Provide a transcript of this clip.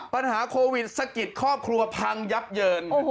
ปัญหาโควิดสะกิดครอบครัวพังยับเยิน